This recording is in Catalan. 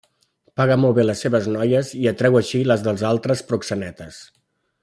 Paga molt bé les seves noies i atreu així les dels altres proxenetes.